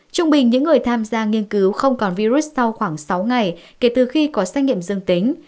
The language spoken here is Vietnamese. trung bình những người tham gia nghiên cứu không còn virus sau khoảng sáu ngày kể từ khi có xét nghiệm dương tính